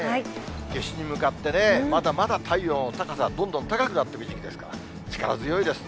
夏至に向かってね、まだまだ太陽の高さ、どんどん高くなってる時期ですから、力強いです。